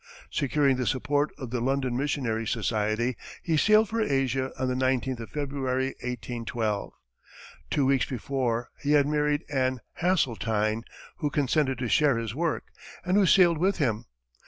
Securing the support of the London Missionary Society, he sailed for Asia on the nineteenth of February, 1812. Two weeks before, he had married Ann Haseltine, who consented to share his work, and who sailed with him.